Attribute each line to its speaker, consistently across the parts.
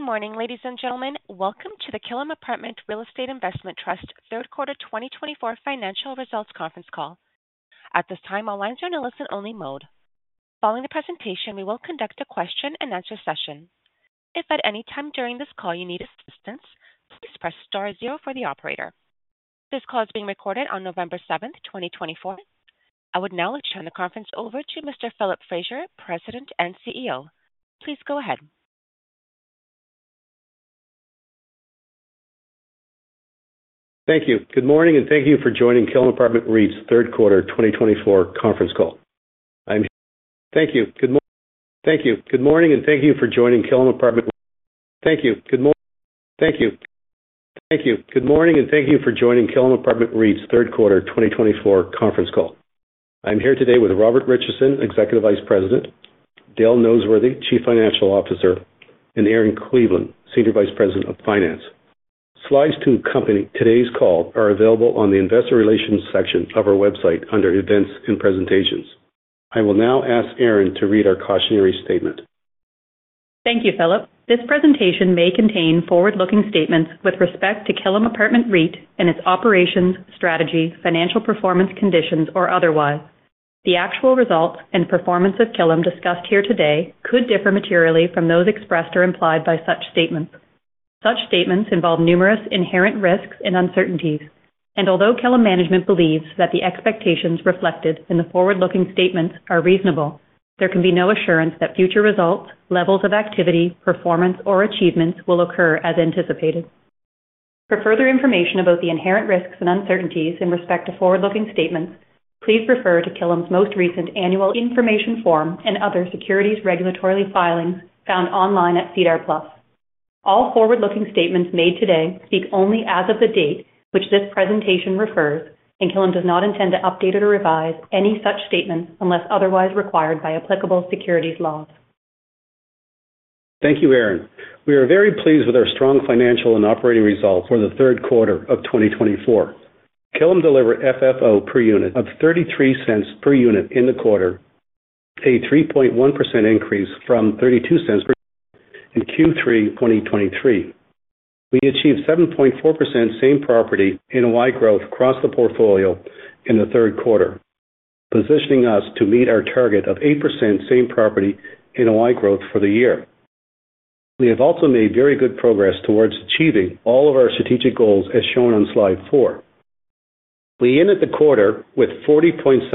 Speaker 1: Good morning, ladies and gentlemen. Welcome to the Killam Apartment REIT's Q3 2024 financial results conference call. At this time, all lines are in a listen-only mode. Following the presentation, we will conduct a question-and-answer session. If at any time during this call you need assistance, please press star zero for the operator. This call is being recorded on November 7th, 2024. I would now like to turn the conference over to Mr. Philip Fraser, President and CEO. Please go ahead.
Speaker 2: Good morning, and thank you for joining Killam Apartment REIT's Q3 2024 conference call. I'm here today with Robert Richardson, Executive Vice President, Dale Noseworthy, Chief Financial Officer, and Erin Cleveland, Senior Vice President of Finance. Slides to accompany today's call are available on the Investor Relations section of our website under Events and Presentations. I will now ask Erin to read our cautionary statement.
Speaker 3: Thank you, Philip. This presentation may contain forward-looking statements with respect to Killam Apartment REIT and its operations, strategy, financial performance conditions, or otherwise. The actual results and performance of Killam discussed here today could differ materially from those expressed or implied by such statements. Such statements involve numerous inherent risks and uncertainties, and although Killam management believes that the expectations reflected in the forward-looking statements are reasonable, there can be no assurance that future results, levels of activity, performance, or achievements will occur as anticipated. For further information about the inherent risks and uncertainties in respect to forward-looking statements, please refer to Killam's most recent Annual Information Form and other securities regulatory filings found online at SEDAR+. All forward-looking statements made today speak only as of the date which this presentation refers, and Killam does not intend to update or revise any such statement unless otherwise required by applicable securities laws.
Speaker 2: Thank you, Erin. We are very pleased with our strong financial and operating results for the Q3 of 2024. Killam delivered FFO per unit of 0.33 per unit in the quarter, a 3.1% increase from 0.32 per unit in Q3 2023. We achieved 7.4% same-property NOI y/y growth across the portfolio in the Q3, positioning us to meet our target of 8% same-property NOI y/y growth for the year. We have also made very good progress towards achieving all of our strategic goals as shown on Slide 4. We ended the quarter with 40.7%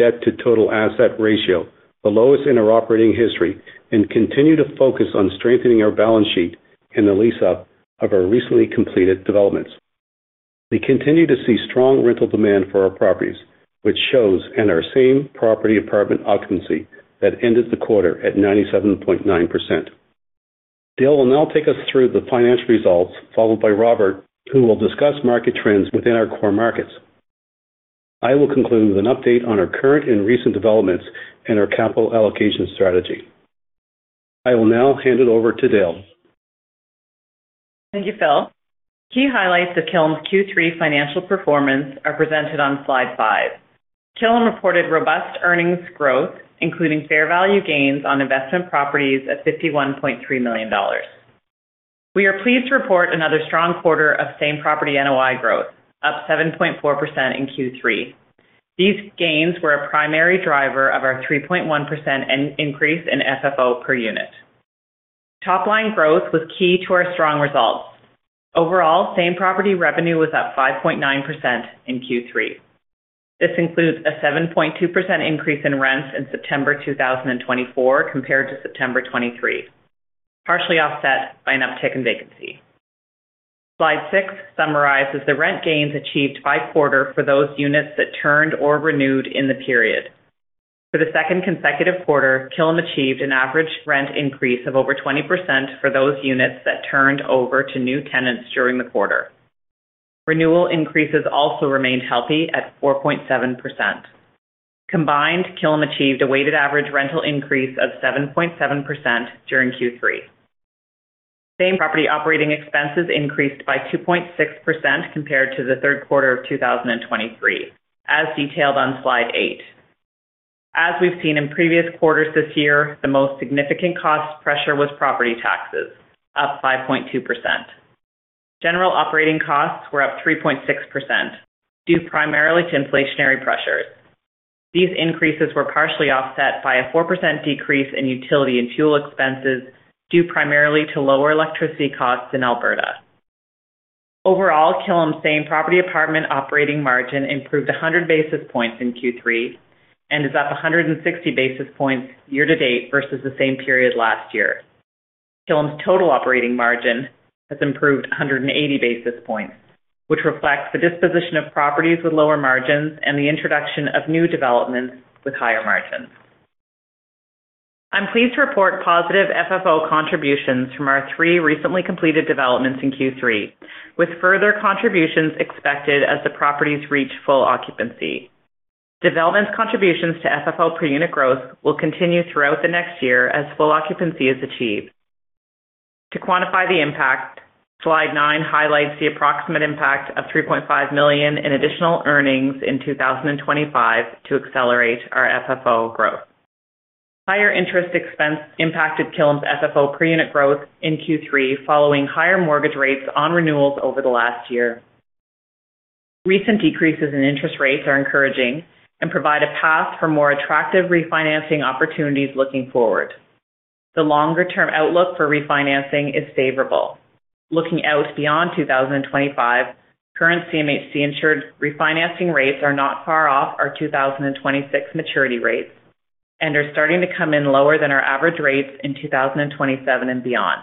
Speaker 2: debt-to-total asset ratio, the lowest in our operating history, and continue to focus on strengthening our balance sheet in the lease-up of our recently completed developments. We continue to see strong rental demand for our properties, which shows in our same-property apartment occupancy that ended the quarter at 97.9%. Dale will now take us through the financial results, followed by Robert, who will discuss market trends within our core markets. I will conclude with an update on our current and recent developments and our capital allocation strategy. I will now hand it over to Dale.
Speaker 4: Thank you, Phil. Key highlights of Killam's Q3 financial performance are presented on Slide 5. Killam reported robust earnings growth, including fair value gains on investment properties at 51.3 million dollars. We are pleased to report another strong quarter of same property NOI growth, up 7.4% in Q3. These gains were a primary driver of our 3.1% increase in FFO per unit. Top-line growth was key to our strong results. Overall, same property revenue was up 5.9% in Q3. This includes a 7.2% increase in rents in September 2024 compared to September 2023, partially offset by an uptick in vacancy. Slide 6 summarizes the rent gains achieved by quarter for those units that turned or renewed in the period. For the second consecutive quarter, Killam achieved an average rent increase of over 20% for those units that turned over to new tenants during the quarter. Renewal increases also remained healthy at 4.7%. Combined, Killam achieved a weighted average rental increase of 7.7% during Q3. Same property operating expenses increased by 2.6% compared to the Q3 of 2023, as detailed on Slide 8. As we've seen in previous quarters this year, the most significant cost pressure was property taxes, up 5.2%. General operating costs were up 3.6%, due primarily to inflationary pressures. These increases were partially offset by a 4% decrease in utility and fuel expenses, due primarily to lower electricity costs in Alberta. Overall, Killam's same property apartment operating margin improved 100 basis points in Q3 and is up 160 basis points year-to-date versus the same period last year. Killam's total operating margin has improved 180 basis points, which reflects the disposition of properties with lower margins and the introduction of new developments with higher margins. I'm pleased to report positive FFO contributions from our three recently completed developments in Q3, with further contributions expected as the properties reach full occupancy. Development contributions to FFO per unit growth will continue throughout the next year as full occupancy is achieved. To quantify the impact, Slide 9 highlights the approximate impact of 3.5 million in additional earnings in 2025 to accelerate our FFO growth. Higher interest expense impacted Killam's FFO per unit growth in Q3 following higher mortgage rates on renewals over the last year. Recent decreases in interest rates are encouraging and provide a path for more attractive refinancing opportunities looking forward. The longer-term outlook for refinancing is favorable. Looking out beyond 2025, current CMHC-insured refinancing rates are not far off our 2026 maturity rates and are starting to come in lower than our average rates in 2027 and beyond.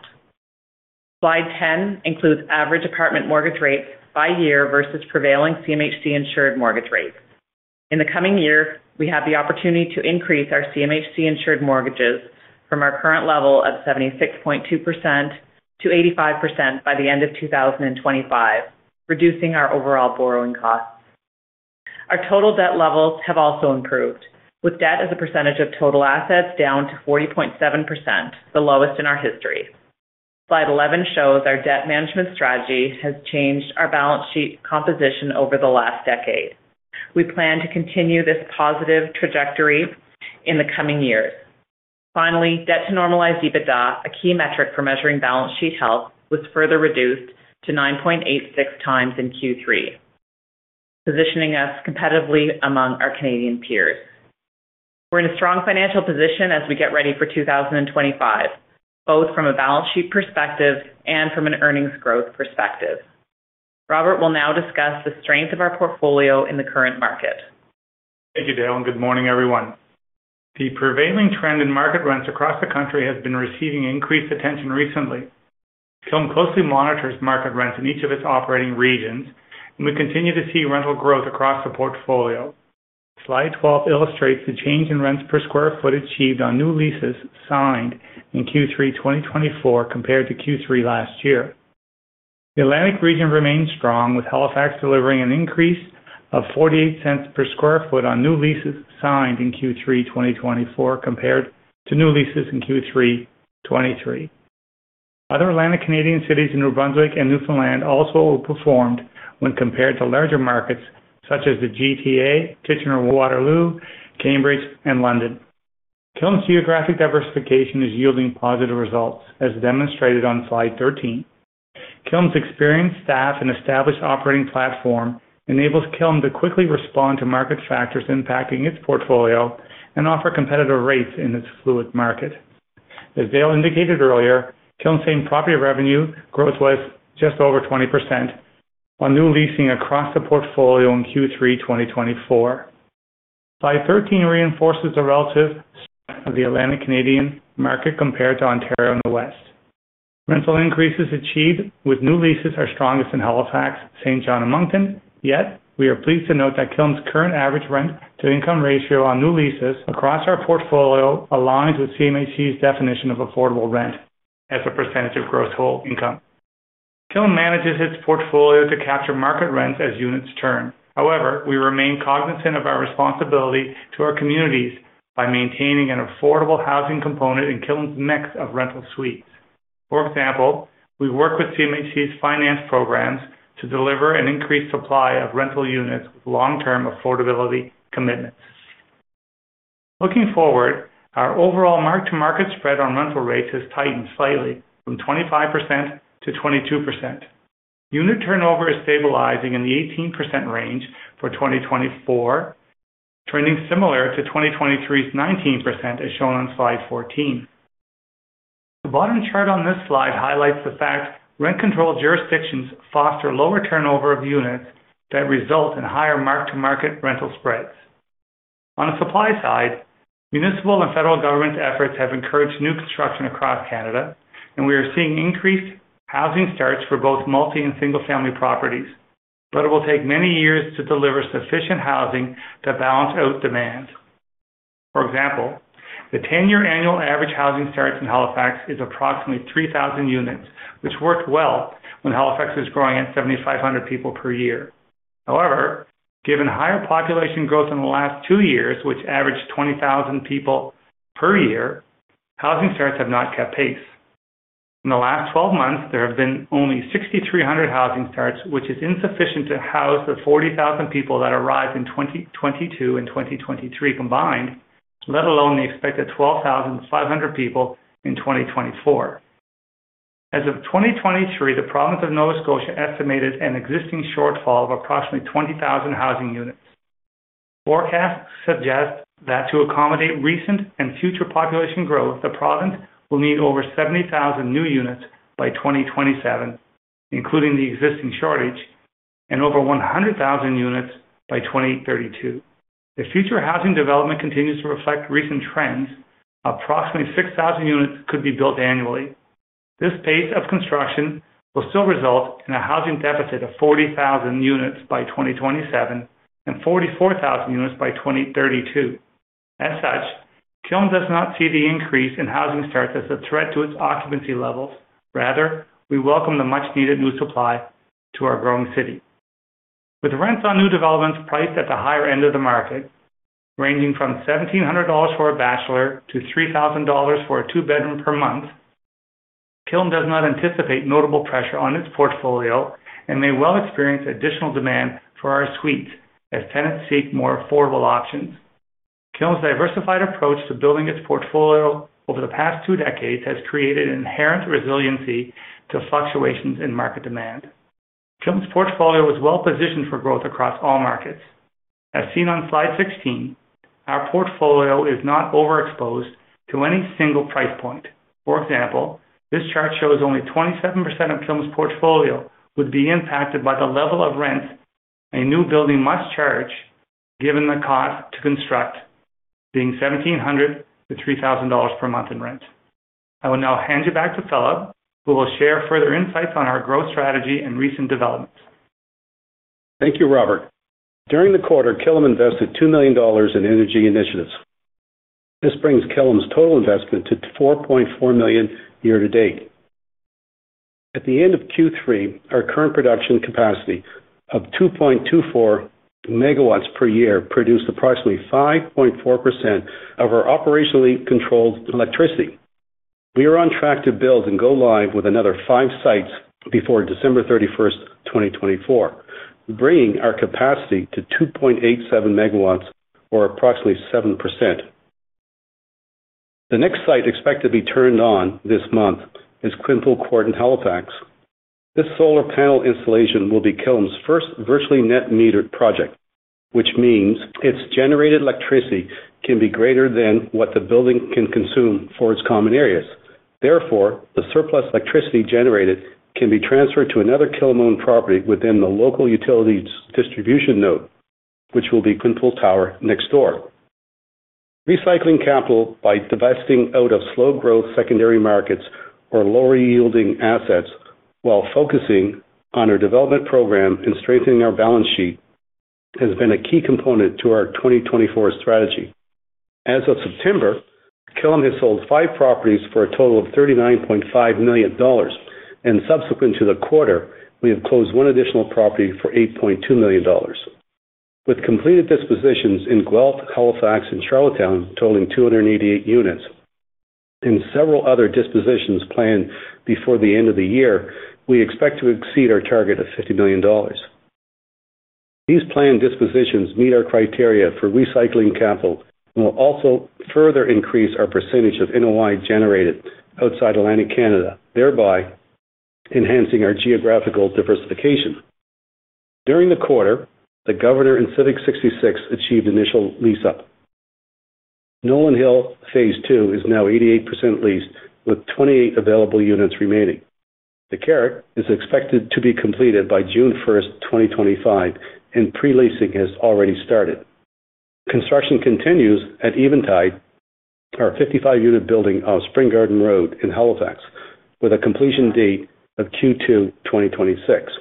Speaker 4: Slide 10 includes average apartment mortgage rates by year versus prevailing CMHC-insured mortgage rates. In the coming year, we have the opportunity to increase our CMHC-insured mortgages from our current level of 76.2% -85% by the end of 2025, reducing our overall borrowing costs. Our total debt levels have also improved, with debt as a percentage of total assets down to 40.7%, the lowest in our history. Slide 11 shows our debt management strategy has changed our balance sheet composition over the last decade. We plan to continue this positive trajectory in the coming years. Finally, debt-to-normalized EBITDA, a key metric for measuring balance sheet health, was further reduced to 9.86x in Q3, positioning us competitively among our Canadian peers. We're in a strong financial position as we get ready for 2025, both from a balance sheet perspective and from an earnings growth perspective. Robert will now discuss the strength of our portfolio in the current market.
Speaker 5: Thank you, Dale. Good morning, everyone. The prevailing trend in market rents across the country has been receiving increased attention recently. Killam closely monitors market rents in each of its operating regions, and we continue to see rental growth across the portfolio. Slide 12 illustrates the change in rents per sq ft achieved on new leases signed in Q3 2024 compared to Q3 last year. The Atlantic region remains strong, with Halifax delivering an increase of 0.48 per sq ft on new leases signed in Q3 2024 compared to new leases in Q3 2023. Other Atlantic Canadian cities in New Brunswick and Newfoundland also outperformed when compared to larger markets such as the GTA, Kitchener, Waterloo, Cambridge, and London. Killam's geographic diversification is yielding positive results, as demonstrated on Slide 13. Killam's experienced staff and established operating platform enables Killam to quickly respond to market factors impacting its portfolio and offer competitive rates in its fluid market. As Dale indicated earlier, Killam's same property revenue growth was just over 20% on new leasing across the portfolio in Q3 2024. Slide 13 reinforces the relative strength of the Atlantic Canadian market compared to Ontario and the West. Rental increases achieved with new leases are strongest in Halifax, Saint John, and Moncton, yet we are pleased to note that Killam's current average rent-to-income ratio on new leases across our portfolio aligns with CMHC's definition of affordable rent as a percentage of gross household income. Killam manages its portfolio to capture market rents as units turn. However, we remain cognizant of our responsibility to our communities by maintaining an affordable housing component in Killam's mix of rental suites. For example, we work with CMHC's finance programs to deliver an increased supply of rental units with long-term affordability commitments. Looking forward, our overall mark-to-market spread on rental rates has tightened slightly from 25%-22%. Unit turnover is stabilizing in the 18% range for 2024, trending similar to 2023's 19%, as shown on Slide 14. The bottom chart on this slide highlights the fact rent-controlled jurisdictions foster lower turnover of units that result in higher mark-to-market rental spreads. On the supply side, municipal and federal government efforts have encouraged new construction across Canada, and we are seeing increased housing starts for both multi- and single-family properties, but it will take many years to deliver sufficient housing to balance out demand. For example, the 10-year annual average housing starts in Halifax is approximately 3,000 units, which worked well when Halifax was growing at 7,500 people per year. However, given higher population growth in the last two years, which averaged 20,000 people per year, housing starts have not kept pace. In the last 12 months, there have been only 6,300 housing starts, which is insufficient to house the 40,000 people that arrived in 2022 and 2023 combined, let alone the expected 12,500 people in 2024. As of 2023, the Province of Nova Scotia estimated an existing shortfall of approximately 20,000 housing units. Forecasts suggest that to accommodate recent and future population growth, the Province will need over 70,000 new units by 2027, including the existing shortage, and over 100,000 units by 2032. If future housing development continues to reflect recent trends, approximately 6,000 units could be built annually. This pace of construction will still result in a housing deficit of 40,000 units by 2027 and 44,000 units by 2032. As such, Killam does not see the increase in housing starts as a threat to its occupancy levels. Rather, we welcome the much-needed new supply to our growing city. With rents on new developments priced at the higher end of the market, ranging from 1,700 dollars for a bachelor to 3,000 dollars for a two-bedroom per month, Killam does not anticipate notable pressure on its portfolio and may well experience additional demand for our suites as tenants seek more affordable options. Killam's diversified approach to building its portfolio over the past two decades has created inherent resiliency to fluctuations in market demand. Killam's portfolio is well-positioned for growth across all markets. As seen on Slide 16, our portfolio is not overexposed to any single price point. For example, this chart shows only 27% of Killam's portfolio would be impacted by the level of rents a new building must charge, given the cost to construct, being 1,700-3,000 dollars per month in rents. I will now hand you back to Philip, who will share further insights on our growth strategy and recent developments.
Speaker 2: Thank you, Robert. During the quarter, Killam invested 2 million dollars in energy initiatives. This brings Killam's total investment to 4.4 million year-to-date. At the end of Q3, our current production capacity of 2.24 MW per year produced approximately 5.4% of our operationally controlled electricity. We are on track to build and go live with another five sites before December 31st, 2024, bringing our capacity to 2.87 MW, or approximately 7%. The next site expected to be turned on this month is Quinpool Court in Halifax. This solar panel installation will be Killam's first virtually net-metered project, which means its generated electricity can be greater than what the building can consume for its common areas. Therefore, the surplus electricity generated can be transferred to another Killam-owned property within the local utility's distribution node, which will be Quinpool Tower next door. Recycling capital by divesting out of slow-growth secondary markets or lower-yielding assets while focusing on our development program and strengthening our balance sheet has been a key component to our 2024 strategy. As of September, Killam has sold five properties for a total of 39.5 million dollars, and subsequent to the quarter, we have closed one additional property for 8.2 million dollars. With completed dispositions in Guelph, Halifax, and Charlottetown, totaling 288 units, and several other dispositions planned before the end of the year, we expect to exceed our target of 50 million dollars. These planned dispositions meet our criteria for recycling capital and will also further increase our percentage of NOI generated outside Atlantic Canada, thereby enhancing our geographical diversification. During the quarter, The Governor and Civic 66 achieved initial lease-up. Nolan Hill Phase 2 is now 88% leased, with 28 available units remaining. The Carrick is expected to be completed by June 1st, 2025, and pre-leasing has already started. Construction continues at Eventide, our 55-unit building on Spring Garden Road in Halifax, with a completion date of Q2 2026.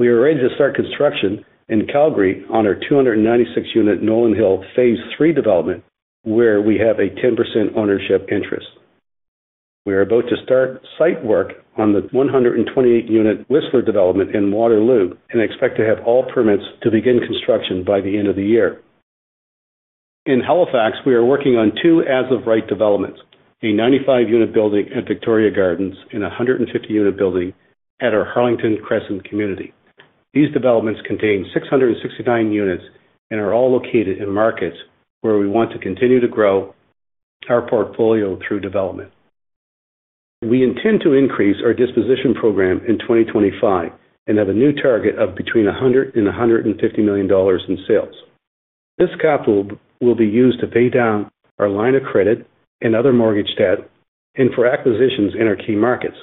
Speaker 2: We are ready to start construction in Calgary on our 296-unit Nolan Hill Phase 3 development, where we have a 10% ownership interest. We are about to start site work on the 128-unit Whistler development in Waterloo and expect to have all permits to begin construction by the end of the year. In Halifax, we are working on two as-of-right developments: a 95-unit building at Victoria Gardens and a 150-unit building at our Harlington Crescent community. These developments contain 669 units and are all located in markets where we want to continue to grow our portfolio through development. We intend to increase our disposition program in 2025 and have a new target of between 100 million and 150 million dollars in sales. This capital will be used to pay down our line of credit and other mortgage debt and for acquisitions in our key markets.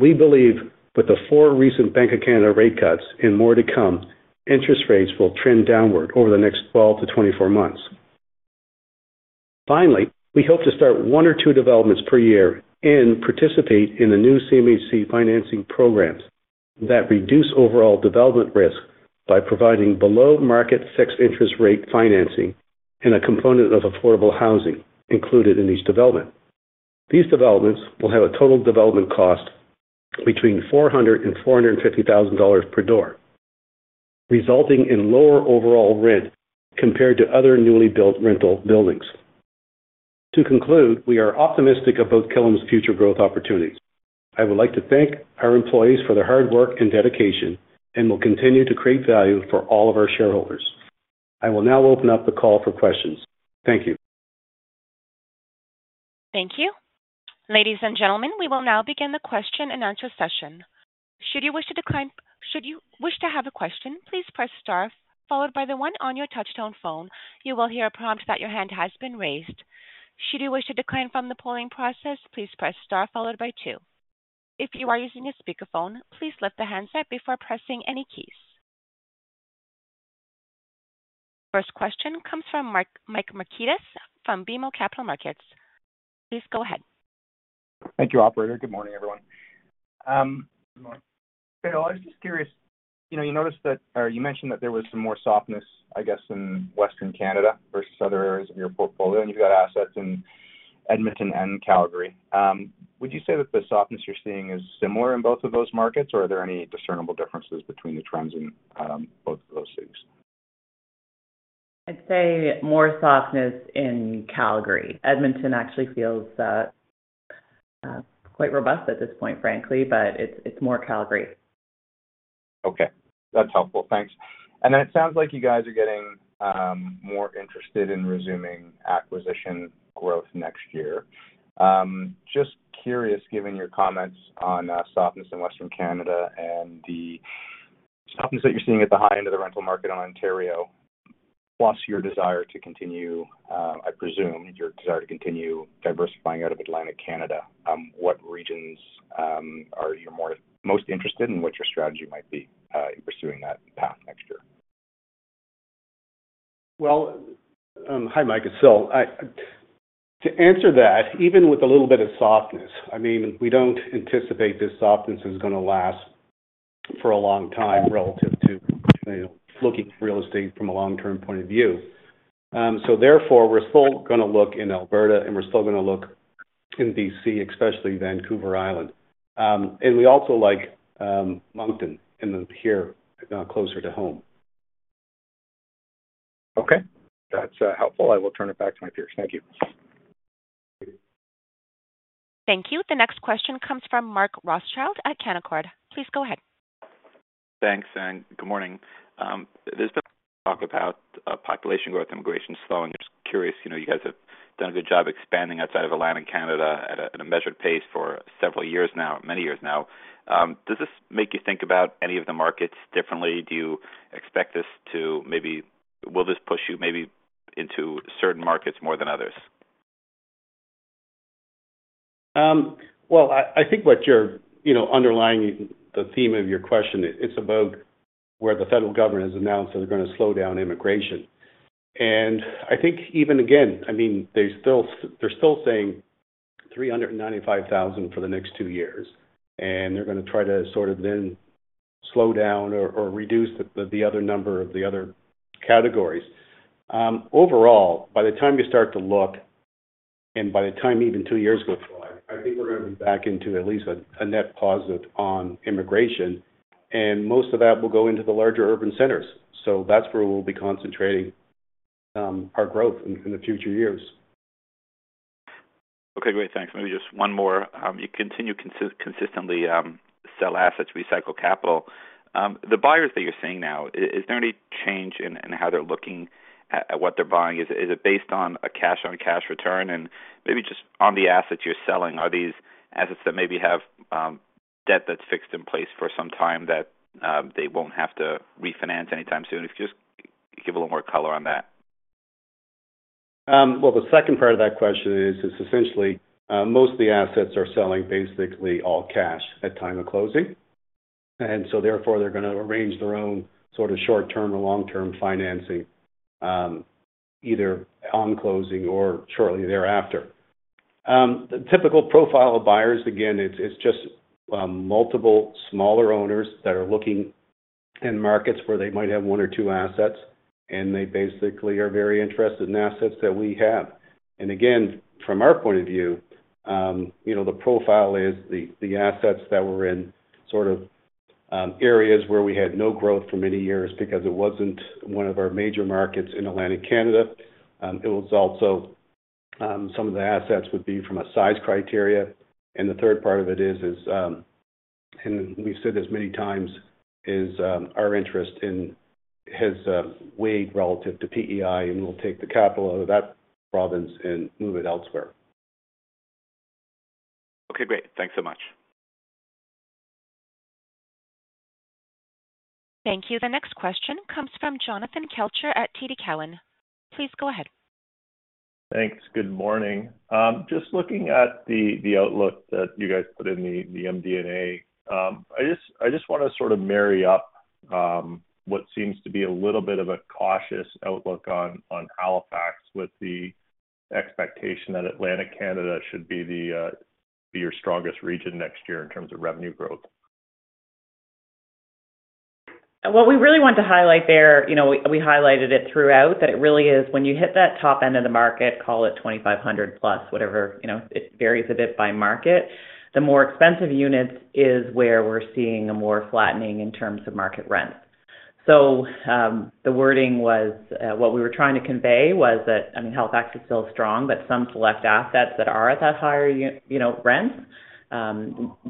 Speaker 2: We believe with the four recent Bank of Canada rate cuts and more to come, interest rates will trend downward over the next 12-24 months. Finally, we hope to start one or two developments per year and participate in the new CMHC financing programs that reduce overall development risk by providing below-market fixed-interest rate financing and a component of affordable housing included in these developments. These developments will have a total development cost between 400,000 and 450,000 dollars per door, resulting in lower overall rent compared to other newly built rental buildings. To conclude, we are optimistic about Killam's future growth opportunities. I would like to thank our employees for their hard work and dedication and will continue to create value for all of our shareholders. I will now open up the call for questions. Thank you.
Speaker 1: Thank you. Ladies and gentlemen, we will now begin the question-and-answer session. Should you wish to have a question, please press star, followed by the one on your touch-tone phone. You will hear a prompt that your hand has been raised. Should you wish to decline from the polling process, please press star, followed by two. If you are using a speaker phone, please lift the handset up before pressing any keys. First question comes from Mike Markidis from BMO Capital Markets. Please go ahead.
Speaker 6: Thank you, Operator. Good morning, everyone.
Speaker 2: Good morning.
Speaker 6: Dale, I was just curious. You noticed that, or you mentioned that there was some more softness, I guess, in Western Canada versus other areas of your portfolio, and you've got assets in Edmonton and Calgary. Would you say that the softness you're seeing is similar in both of those markets, or are there any discernible differences between the trends in both of those cities?
Speaker 4: I'd say more softness in Calgary. Edmonton actually feels quite robust at this point, frankly, but it's more Calgary.
Speaker 6: Okay. That's helpful. Thanks. And then it sounds like you guys are getting more interested in resuming acquisition growth next year. Just curious, given your comments on softness in Western Canada and the softness that you're seeing at the high end of the rental market in Ontario, plus your desire to continue, I presume your desire to continue diversifying out of Atlantic Canada, what regions are you most interested in and what your strategy might be in pursuing that path next year?
Speaker 2: Hi, Mike. It's Phil. To answer that, even with a little bit of softness, I mean, we don't anticipate this softness is going to last for a long time relative to looking at real estate from a long-term point of view. So therefore, we're still going to look in Alberta, and we're still going to look in BC, especially Vancouver Island. We also like Moncton here closer to home.
Speaker 6: Okay. That's helpful. I will turn it back to my peers. Thank you.
Speaker 1: Thank you. The next question comes from Mark Rothschild at Canaccord. Please go ahead.
Speaker 7: Thanks, and good morning. There's been talk about population growth, immigration slowing. I'm just curious. You guys have done a good job expanding outside of Atlantic Canada at a measured pace for several years now, many years now. Does this make you think about any of the markets differently? Do you expect this to maybe? Will this push you maybe into certain markets more than others?
Speaker 2: I think what you're underlying the theme of your question, it's about where the federal government has announced that they're going to slow down immigration, and I think even, again, I mean, they're still saying 395,000 for the next two years, and they're going to try to sort of then slow down or reduce the other number of the other categories. Overall, by the time you start to look and by the time even two years go by, I think we're going to be back into at least a net positive on immigration, and most of that will go into the larger urban centers, so that's where we'll be concentrating our growth in the future years.
Speaker 7: Okay. Great. Thanks. Maybe just one more. You continue consistently to sell assets, recycle capital. The buyers that you're seeing now, is there any change in how they're looking at what they're buying? Is it based on a cash-on-cash return? And maybe just on the assets you're selling, are these assets that maybe have debt that's fixed in place for some time that they won't have to refinance anytime soon? If you could just give a little more color on that.
Speaker 2: The second part of that question is essentially most of the assets are selling basically all cash at the time of closing. So therefore, they're going to arrange their own sort of short-term or long-term financing either on closing or shortly thereafter. The typical profile of buyers, again, it's just multiple smaller owners that are looking in markets where they might have one or two assets, and they basically are very interested in assets that we have. Again, from our point of view, the profile is the assets that were in sort of areas where we had no growth for many years because it wasn't one of our major markets in Atlantic Canada. It was also some of the assets would be from a size criteria. The third part of it is, and we've said this many times, is our interest has waned relative to PEI, and we'll take the capital out of that province and move it elsewhere.
Speaker 7: Okay. Great. Thanks so much.
Speaker 1: Thank you. The next question comes from Jonathan Kelcher at TD Cowen. Please go ahead.
Speaker 8: Thanks. Good morning. Just looking at the outlook that you guys put in the MD&A, I just want to sort of marry up what seems to be a little bit of a cautious outlook on Halifax with the expectation that Atlantic Canada should be your strongest region next year in terms of revenue growth.
Speaker 4: What we really want to highlight there, we highlighted it throughout, that it really is when you hit that top end of the market, call it 2,500 plus, whatever, it varies a bit by market, the more expensive units is where we're seeing a more flattening in terms of market rents. The wording was what we were trying to convey was that, I mean, Halifax is still strong, but some select assets that are at that higher rent,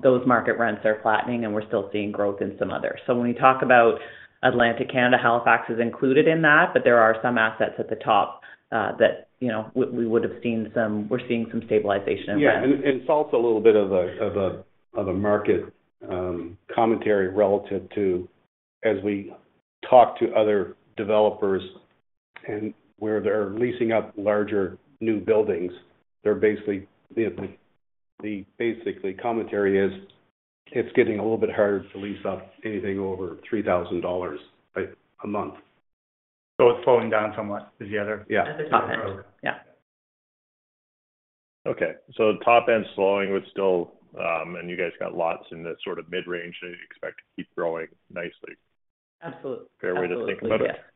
Speaker 4: those market rents are flattening, and we're still seeing growth in some others. When we talk about Atlantic Canada, Halifax is included in that, but there are some assets at the top that we're seeing some stabilization of rents.
Speaker 2: Yeah. And it's also a little bit of a market commentary relative to, as we talk to other developers and where they're leasing up larger new buildings, they're basically. The basic commentary is it's getting a little bit harder to lease up anything over 3,000 dollars a month.
Speaker 8: So it's slowing down somewhat is the other?
Speaker 2: Yeah.
Speaker 4: At the top end. Yeah.
Speaker 8: Okay. So the top end slowing would still, and you guys got lots in the sort of mid-range that you expect to keep growing nicely.
Speaker 4: Absolutely.
Speaker 8: Fair way to think about it.
Speaker 4: Absolutely. Yes.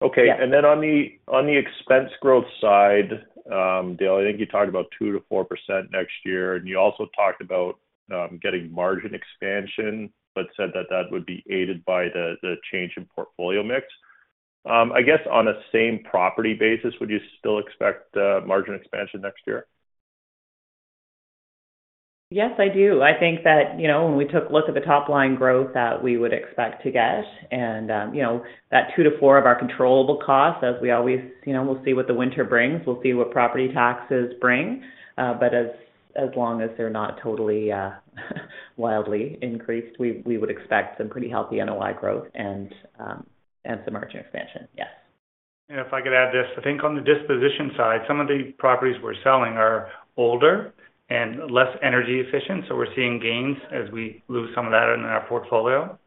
Speaker 8: Okay. And then on the expense growth side, Dale, I think you talked about 2%-4% next year, and you also talked about getting margin expansion but said that that would be aided by the change in portfolio mix. I guess on a same property basis, would you still expect margin expansion next year?
Speaker 4: Yes, I do. I think that when we took a look at the top line growth that we would expect to get and that 2 to 4 of our controllable costs, as we always—we'll see what the winter brings. We'll see what property taxes bring. But as long as they're not totally wildly increased, we would expect some pretty healthy NOI growth and some margin expansion. Yes.
Speaker 2: If I could add this, I think on the disposition side, some of the properties we're selling are older and less energy efficient, so we're seeing gains as we move some of that in our portfolio.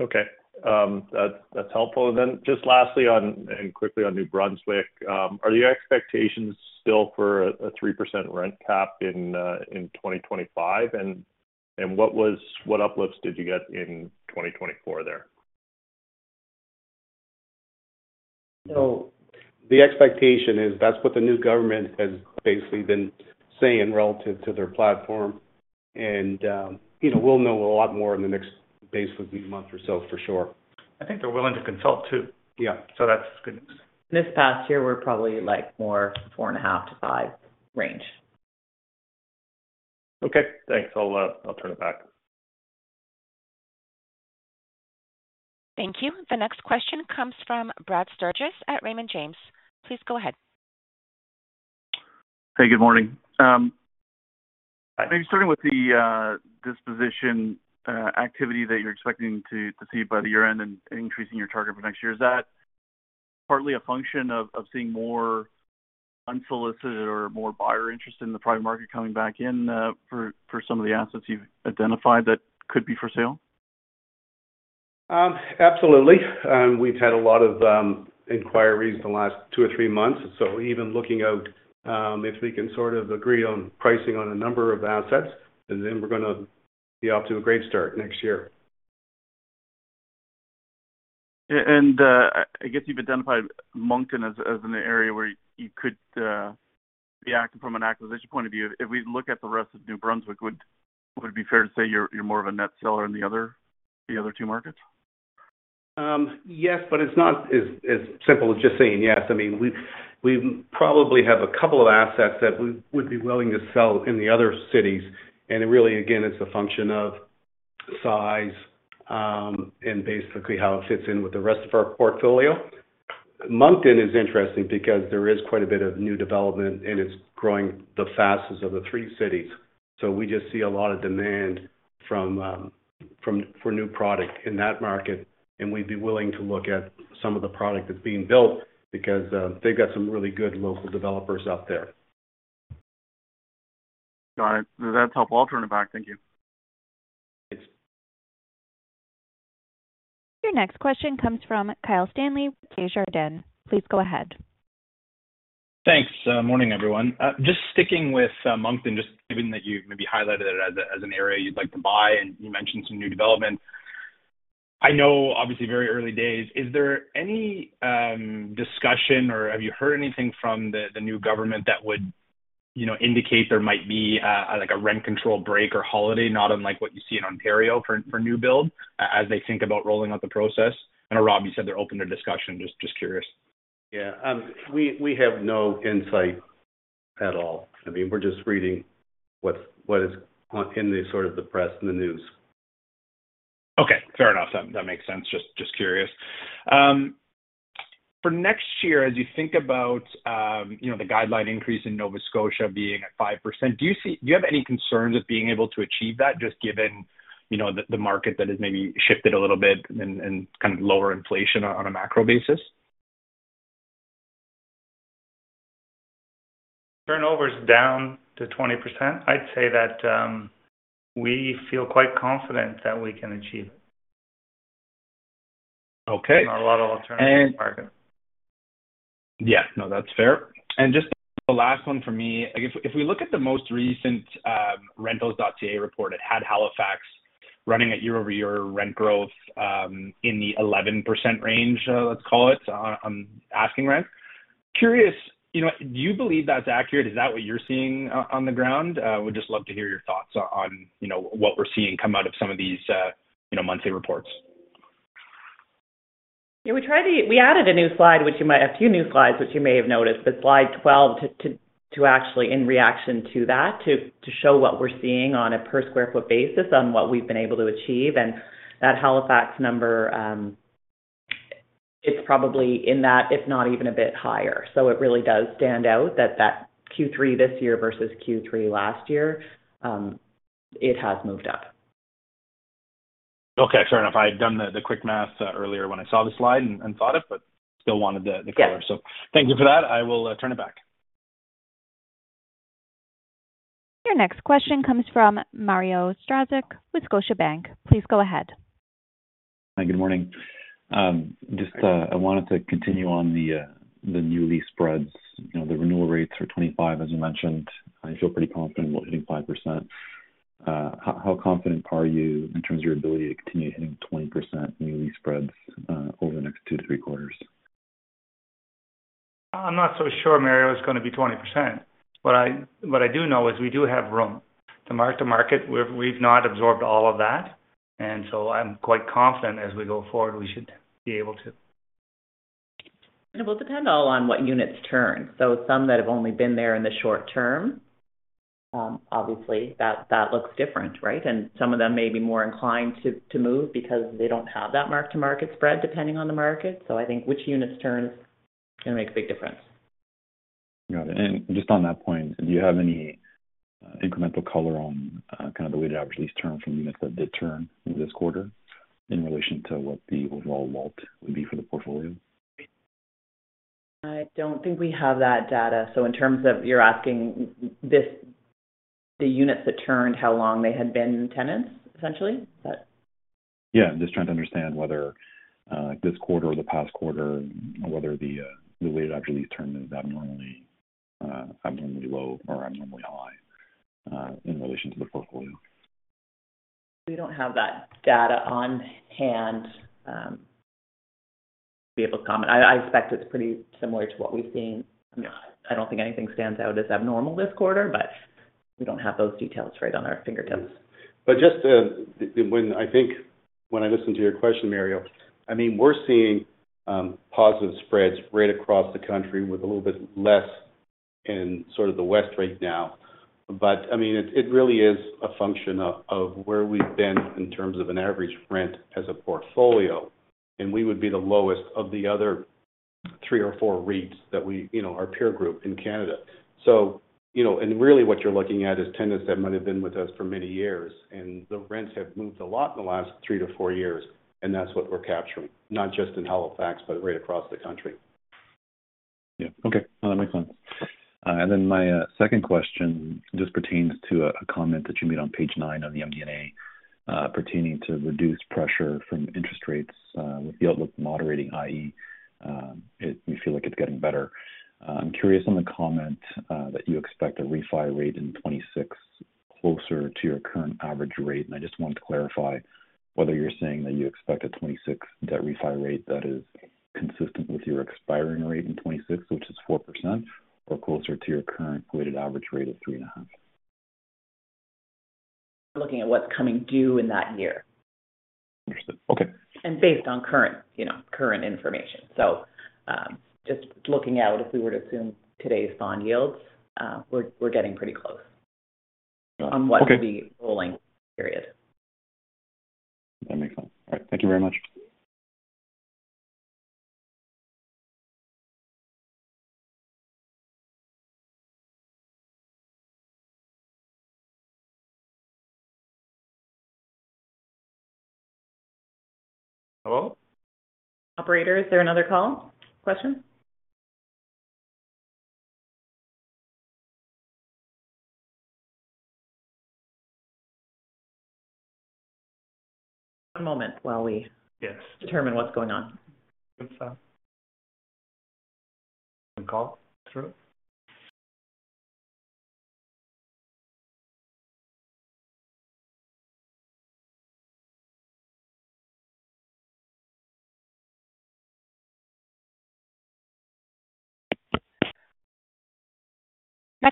Speaker 8: Okay. That's helpful. And then just lastly and quickly on New Brunswick, are your expectations still for a 3% rent cap in 2025? And what uplifts did you get in 2024 there?
Speaker 2: The expectation is that's what the new government has basically been saying relative to their platform. We'll know a lot more in the next basically month or so for sure. I think they're willing to consult too.
Speaker 8: Yeah. So that's good news.
Speaker 4: This past year, we're probably like more 4.5-5 range.
Speaker 8: Okay. Thanks. I'll turn it back.
Speaker 1: Thank you. The next question comes from Brad Sturges at Raymond James. Please go ahead.
Speaker 9: Hey, good morning. Maybe starting with the disposition activity that you're expecting to see by the year-end and increasing your target for next year, is that partly a function of seeing more unsolicited or more buyer interest in the private market coming back in for some of the assets you've identified that could be for sale?
Speaker 2: Absolutely. We've had a lot of inquiries the last two or three months. So even looking out, if we can sort of agree on pricing on a number of assets, then we're going to be off to a great start next year.
Speaker 9: And I guess you've identified Moncton as an area where you could be active from an acquisition point of view. If we look at the rest of New Brunswick, would it be fair to say you're more of a net seller in the other two markets?
Speaker 2: Yes, but it's not as simple as just saying yes. I mean, we probably have a couple of assets that we would be willing to sell in the other cities. And really, again, it's a function of size and basically how it fits in with the rest of our portfolio. Moncton is interesting because there is quite a bit of new development, and it's growing the fastest of the three cities. So we just see a lot of demand for new product in that market. And we'd be willing to look at some of the product that's being built because they've got some really good local developers out there.
Speaker 9: Got it. That's helpful. I'll turn it back. Thank you.
Speaker 2: Thanks.
Speaker 1: Your next question comes from Kyle Stanley with Desjardins. Please go ahead.
Speaker 10: Thanks. Morning, everyone. Just sticking with Moncton, just given that you maybe highlighted it as an area you'd like to buy, and you mentioned some new development. I know, obviously, very early days. Is there any discussion, or have you heard anything from the new government that would indicate there might be a rent control break or holiday, not unlike what you see in Ontario for new build, as they think about rolling out the process? I know Rob, you said they're open to discussion. Just curious.
Speaker 2: Yeah. We have no insight at all. I mean, we're just reading what is in sort of the press and the news.
Speaker 10: Okay. Fair enough. That makes sense. Just curious. For next year, as you think about the guideline increase in Nova Scotia being at 5%, do you have any concerns of being able to achieve that, just given the market that has maybe shifted a little bit and kind of lower inflation on a macro basis?
Speaker 2: Turnovers down to 20%, I'd say that we feel quite confident that we can achieve it. There's not a lot of alternatives in the market.
Speaker 10: Yeah. No, that's fair. And just the last one for me. If we look at the most recent Rentals.ca report, it had Halifax running at year-over-year rent growth in the 11% range, let's call it, on asking rent. Curious, do you believe that's accurate? Is that what you're seeing on the ground? Would just love to hear your thoughts on what we're seeing come out of some of these monthly reports.
Speaker 4: Yeah. We added a new slide, a few new slides, which you may have noticed, but slide 12, too, actually in reaction to that, to show what we're seeing on a per-sq-ft basis on what we've been able to achieve, and that Halifax number, it's probably in that, if not even a bit higher, so it really does stand out that that Q3 this year versus Q3 last year, it has moved up.
Speaker 10: Okay. Fair enough. I had done the quick math earlier when I saw the slide and thought of it, but still wanted the color. So thank you for that. I will turn it back.
Speaker 1: Your next question comes from Mario Saric with Scotiabank. Please go ahead.
Speaker 11: Hi. Good morning. Just I wanted to continue on the new lease spreads. The renewal rates are 25%, as you mentioned. I feel pretty confident we'll hit 5%. How confident are you in terms of your ability to continue hitting 20% new lease spreads over the next two to three quarters?
Speaker 2: I'm not so sure Mario is going to be 20%. What I do know is we do have room. The mark-to-market, we've not absorbed all of that, and so I'm quite confident as we go forward we should be able to.
Speaker 4: It will depend all on what units turn. Some that have only been there in the short term, obviously, that looks different, right? Some of them may be more inclined to move because they don't have that mark-to-market spread depending on the market. I think which units turn is going to make a big difference.
Speaker 11: Got it. And just on that point, do you have any incremental color on kind of the weighted average lease term from units that did turn this quarter in relation to what the overall WALT would be for the portfolio?
Speaker 4: I don't think we have that data. So in terms of you're asking the units that turned, how long they had been tenants, essentially?
Speaker 11: Yeah. Just trying to understand whether this quarter or the past quarter, the weighted average lease term is abnormally low or abnormally high in relation to the portfolio.
Speaker 4: We don't have that data on hand to be able to comment. I expect it's pretty similar to what we've seen. I mean, I don't think anything stands out as abnormal this quarter, but we don't have those details right on our fingertips.
Speaker 2: But just when I listen to your question, Mario, I mean, we're seeing positive spreads right across the country with a little bit less in sort of the West right now. But I mean, it really is a function of where we've been in terms of an average rent as a portfolio. And we would be the lowest of the other three or four REITs in our peer group in Canada. And really what you're looking at is tenants that might have been with us for many years. And the rents have moved a lot in the last three to four years. And that's what we're capturing, not just in Halifax, but right across the country.
Speaker 11: Yeah. Okay. No, that makes sense. And then my second question just pertains to a comment that you made on page 9 of the MD&A pertaining to reduced pressure from interest rates with the outlook moderating, i.e., we feel like it's getting better. I'm curious on the comment that you expect a refi rate in 2026 closer to your current average rate. And I just wanted to clarify whether you're saying that you expect a 2026 debt refi rate that is consistent with your expiring rate in 2026, which is 4%, or closer to your current weighted average rate of 3.5%?
Speaker 4: Looking at what's coming due in that year.
Speaker 6: Understood. Okay.
Speaker 4: And based on current information. So just looking out, if we were to assume today's bond yields, we're getting pretty close on what will be rolling period.
Speaker 11: That makes sense. All right. Thank you very much.
Speaker 2: Hello?
Speaker 4: Operator, is there another call question? One moment while we determine what's going on.
Speaker 2: Yes.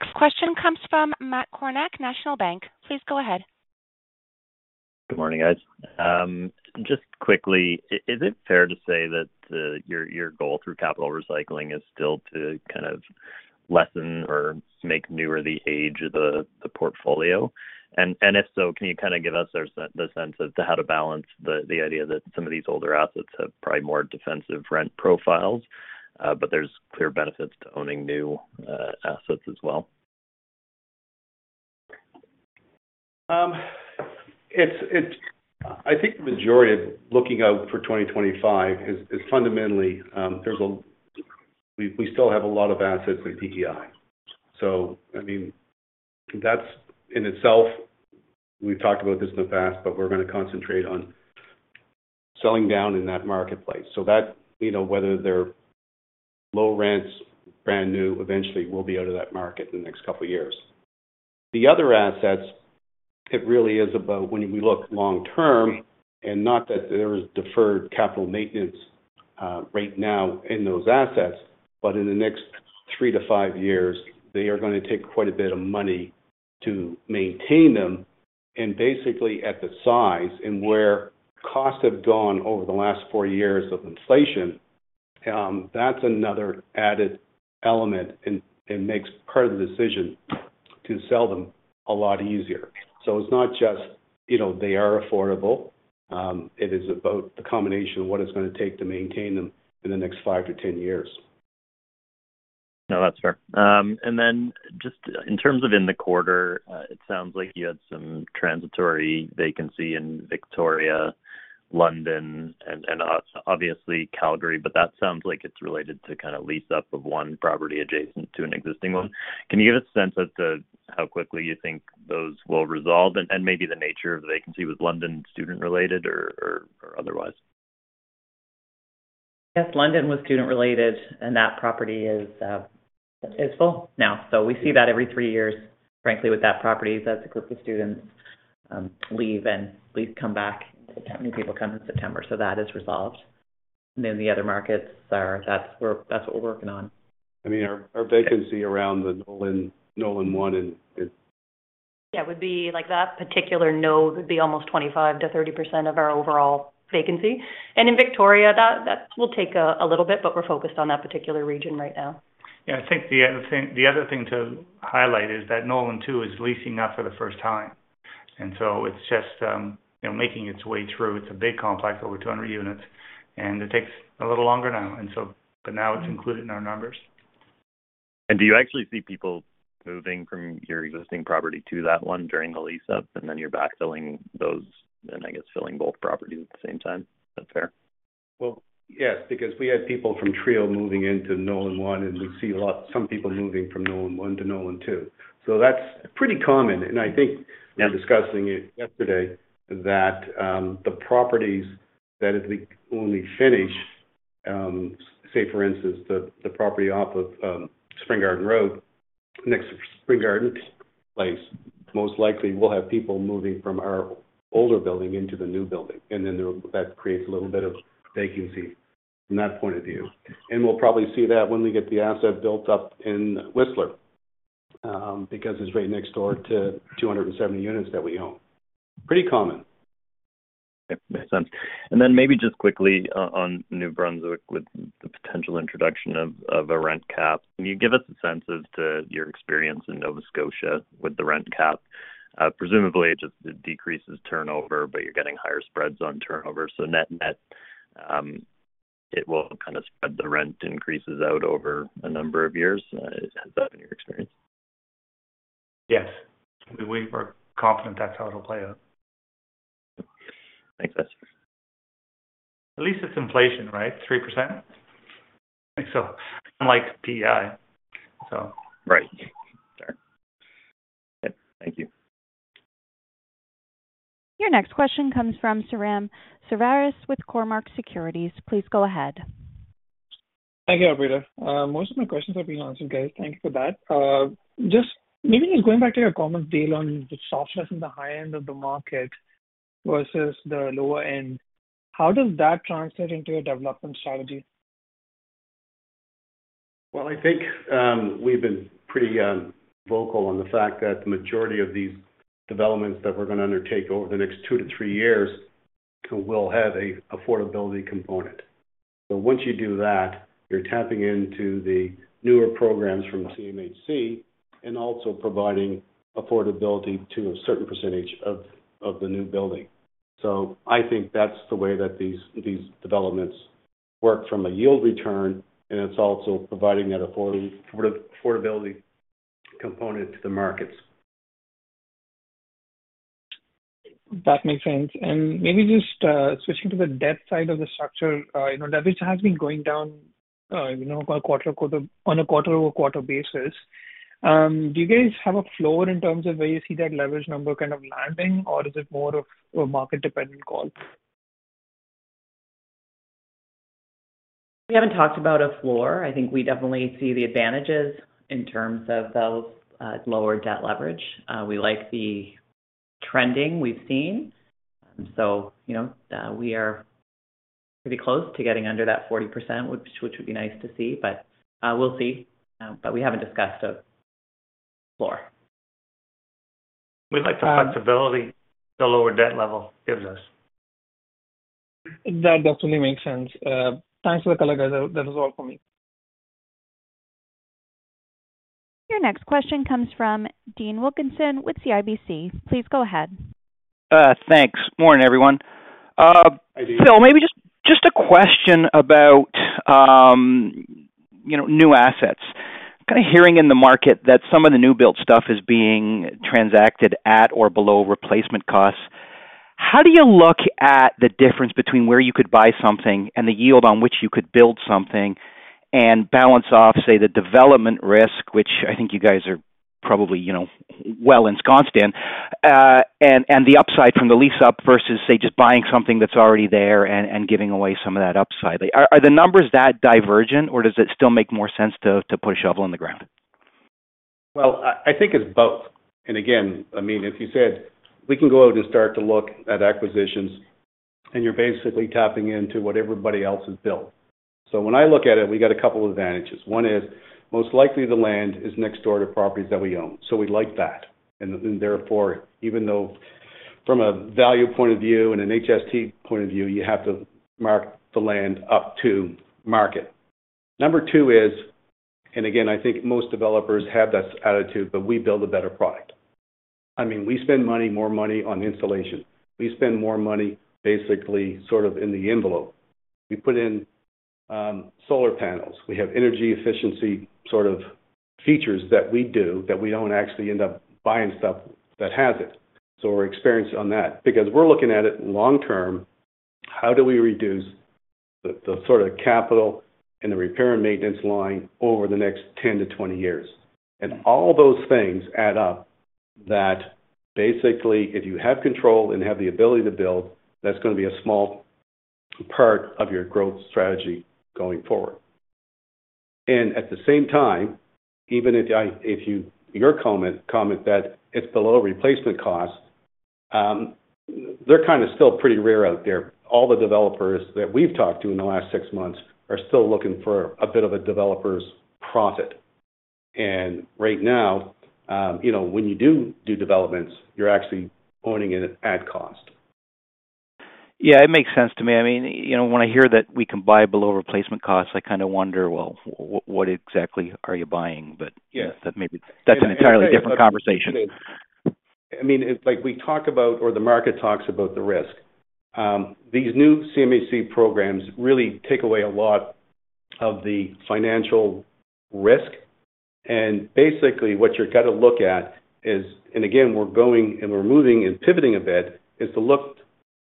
Speaker 1: Next question comes from Matt Kornack, National Bank. Please go ahead.
Speaker 12: Good morning, guys. Just quickly, is it fair to say that your goal through capital recycling is still to kind of lessen or make newer the age of the portfolio? And if so, can you kind of give us the sense as to how to balance the idea that some of these older assets have probably more defensive rent profiles, but there's clear benefits to owning new assets as well?
Speaker 2: I think the majority of looking out for 2025 is fundamentally we still have a lot of assets in PEI, so I mean, that's in itself we've talked about this in the past, but we're going to concentrate on selling down in that marketplace, so whether they're low rents, brand new, eventually will be out of that market in the next couple of years. The other assets, it really is about when we look long-term, and not that there is deferred capital maintenance right now in those assets, but in the next three-to-five years, they are going to take quite a bit of money to maintain them, and basically, at the size and where costs have gone over the last four years of inflation, that's another added element and makes part of the decision to sell them a lot easier, so it's not just they are affordable. It is about the combination of what it's going to take to maintain them in the next five to 10 years.
Speaker 12: No, that's fair. And then just in terms of in the quarter, it sounds like you had some transitory vacancy in Victoria, London, and obviously Calgary, but that sounds like it's related to kind of lease-up of one property adjacent to an existing one. Can you give a sense as to how quickly you think those will resolve? And maybe the nature of the vacancy was London student-related or otherwise?
Speaker 4: Yes. London was student-related, and that property is full now. So we see that every three years, frankly, with that property that's a group of students leave and at least come back. New people come in September. So that is resolved. And then the other markets, that's what we're working on.
Speaker 12: I mean, our vacancy around the Nolan 1 and.
Speaker 4: Yeah. That particular node would be almost 25%-30% of our overall vacancy, and in Victoria, that will take a little bit, but we're focused on that particular region right now.
Speaker 2: Yeah. I think the other thing to highlight is that Nolan 2 is leasing up for the first time. And so it's just making its way through. It's a big complex, over 200 units. And it takes a little longer now. But now it's included in our numbers.
Speaker 12: Do you actually see people moving from your existing property to that one during the lease-up, and then you're backfilling those and, I guess, filling both properties at the same time? Is that fair?
Speaker 2: Yes, because we had people from Trio moving into Nolan 1, and we see some people moving from Nolan 1 to Nolan 2. That's pretty common. I think we were discussing it yesterday, that the properties that if we only finish, say, for instance, the property off of Spring Garden Road, next to Spring Garden Place, most likely we'll have people moving from our older building into the new building. Then that creates a little bit of vacancy from that point of view. We'll probably see that when we get the asset built up in Whistler because it's right next door to 270 units that we own. Pretty common.
Speaker 12: Okay. Makes sense. And then maybe just quickly on New Brunswick with the potential introduction of a rent cap. Can you give us a sense as to your experience in Nova Scotia with the rent cap? Presumably, it just decreases turnover, but you're getting higher spreads on turnover. So net-net, it will kind of spread the rent increases out over a number of years. Is that your experience?
Speaker 2: Yes. We are confident that's how it'll play out.
Speaker 12: Makes sense.
Speaker 2: At least it's inflation, right? 3%? I think so. Unlike PEI, so.
Speaker 12: Right. Fair. Okay. Thank you.
Speaker 1: Your next question comes from Sairam Srinivas with Cormark Securities. Please go ahead.
Speaker 13: Thank you, Aruna. Most of my questions have been answered, guys. Thank you for that. Just maybe going back to your comment, Dale, on the softness in the high end of the market versus the lower end, how does that translate into your development strategy?
Speaker 2: I think we've been pretty vocal on the fact that the majority of these developments that we're going to undertake over the next two-to-three years will have an affordability component. So once you do that, you're tapping into the newer programs from CMHC and also providing affordability to a certain percentage of the new building. So I think that's the way that these developments work from a yield return, and it's also providing that affordability component to the markets.
Speaker 13: That makes sense. And maybe just switching to the debt side of the structure, leverage has been going down on a quarter-over-quarter basis. Do you guys have a floor in terms of where you see that leverage number kind of landing, or is it more of a market-dependent call?
Speaker 4: We haven't talked about a floor. I think we definitely see the advantages in terms of those lower debt leverage. We like the trending we've seen, so we are pretty close to getting under that 40%, which would be nice to see, but we'll see, but we haven't discussed a floor.
Speaker 2: We like the flexibility the lower debt level gives us.
Speaker 13: That definitely makes sense. Thanks for the color, guys. That was all for me.
Speaker 1: Your next question comes from Dean Wilkinson with CIBC. Please go ahead.
Speaker 14: Thanks. Morning, everyone.
Speaker 2: Hi, Dean.
Speaker 14: Phil, maybe just a question about new assets. Kind of hearing in the market that some of the new-build stuff is being transacted at or below replacement costs. How do you look at the difference between where you could buy something and the yield on which you could build something and balance off, say, the development risk, which I think you guys are probably well ensconced in, and the upside from the lease-up versus, say, just buying something that's already there and giving away some of that upside? Are the numbers that divergent, or does it still make more sense to put a shovel in the ground?
Speaker 2: I think it's both. Again, I mean, as you said, we can go out and start to look at acquisitions, and you're basically tapping into what everybody else has built. So when I look at it, we got a couple of advantages. One is most likely the land is next door to properties that we own. So we like that. And therefore, even though from a value point of view and an HST point of view, you have to mark the land up to market. Number two is, and again, I think most developers have that attitude, but we build a better product. I mean, we spend more money on insulation. We spend more money basically sort of in the envelope. We put in solar panels. We have energy efficiency sort of features that we do that we don't actually end up buying stuff that has it. So we're experienced on that because we're looking at it long-term. How do we reduce the sort of capital and the repair and maintenance line over the next 10 to 20 years? And all those things add up that basically, if you have control and have the ability to build, that's going to be a small part of your growth strategy going forward. And at the same time, even if your comment that it's below replacement cost, they're kind of still pretty rare out there. All the developers that we've talked to in the last six months are still looking for a bit of a developer's profit. And right now, when you do do developments, you're actually owning it at cost.
Speaker 14: Yeah. It makes sense to me. I mean, when I hear that we can buy below replacement costs, I kind of wonder, well, what exactly are you buying? But maybe that's an entirely different conversation.
Speaker 2: I mean, we talk about or the market talks about the risk. These new CMHC programs really take away a lot of the financial risk. And basically, what you're going to look at is, and again, we're going and we're moving and pivoting a bit, is to look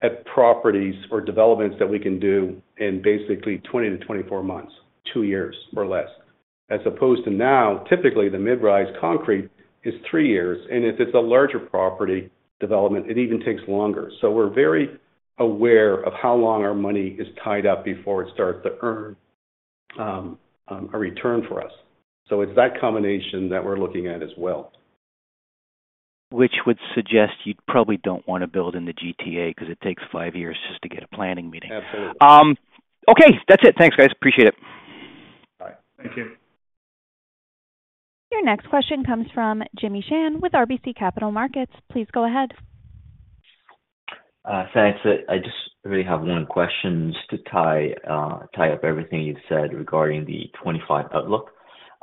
Speaker 2: at properties or developments that we can do in basically 20-24 months, two years or less, as opposed to now, typically, the mid-rise concrete is three years. And if it's a larger property development, it even takes longer. So we're very aware of how long our money is tied up before it starts to earn a return for us. So it's that combination that we're looking at as well.
Speaker 14: Which would suggest you probably don't want to build in the GTA because it takes five years just to get a planning meeting.
Speaker 2: Absolutely.
Speaker 14: Okay. That's it. Thanks, guys. Appreciate it.
Speaker 2: All right. Thank you.
Speaker 1: Your next question comes from Jimmy Shan with RBC Capital Markets. Please go ahead.
Speaker 15: Thanks. I just really have one question to tie up everything you've said regarding the 2025 outlook.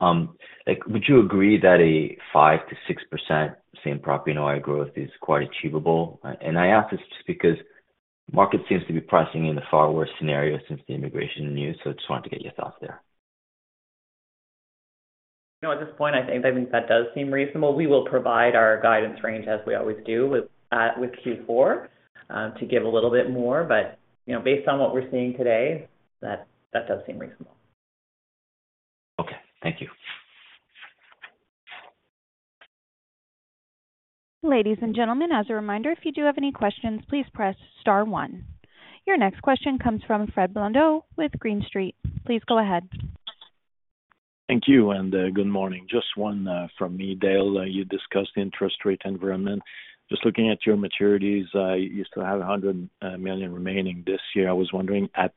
Speaker 15: Would you agree that a 5%-6% same-property NOI growth is quite achievable? And I ask this just because the market seems to be pricing in a far worse scenario since the immigration news. So I just wanted to get your thoughts there.
Speaker 4: No, at this point, I think that does seem reasonable. We will provide our guidance range, as we always do, with Q4 to give a little bit more. But based on what we're seeing today, that does seem reasonable.
Speaker 15: Okay. Thank you.
Speaker 1: Ladies and gentlemen, as a reminder, if you do have any questions, please press star one. Your next question comes from Fred Blondeau with Green Street. Please go ahead.
Speaker 16: Thank you. And good morning. Just one from me, Dale. You discussed the interest rate environment. Just looking at your maturities, you still have 100 million remaining this year. I was wondering at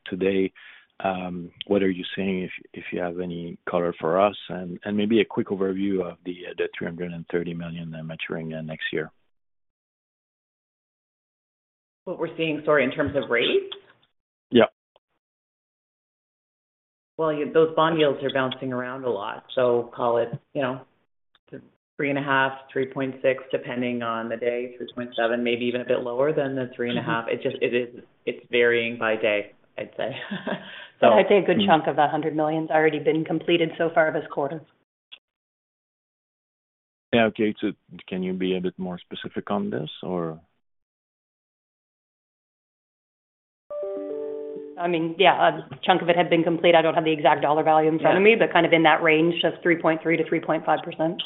Speaker 16: today, what are you seeing if you have any color for us? And maybe a quick overview of the 330 million maturing next year.
Speaker 4: What we're seeing, sorry, in terms of rates?
Speaker 16: Yeah.
Speaker 4: Those bond yields are bouncing around a lot. Call it 3.5, 3.6, depending on the day, 3.7, maybe even a bit lower than the 3.5. It's varying by day, I'd say. I'd say a good chunk of that 100 million has already been completed so far this quarter.
Speaker 16: Yeah. Okay. Can you be a bit more specific on this, or?
Speaker 4: I mean, yeah, a chunk of it had been complete. I don't have the exact dollar value in front of me, but kind of in that range of 3.3%-3.5%.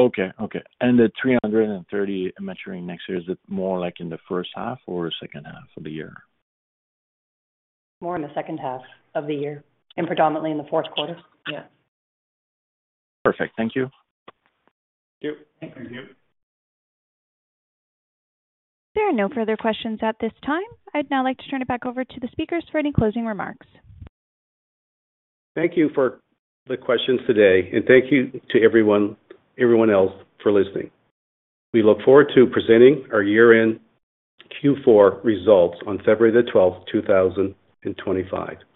Speaker 16: Okay. And the 330 maturing next year, is it more in the first half or second half of the year?
Speaker 4: More in the second half of the year and predominantly in the fourth quarter. Yeah.
Speaker 16: Perfect. Thank you.
Speaker 2: Thank you.
Speaker 1: There are no further questions at this time. I'd now like to turn it back over to the speakers for any closing remarks.
Speaker 2: Thank you for the questions today. And thank you to everyone else for listening. We look forward to presenting our year-end Q4 results on February the 12th, 2025.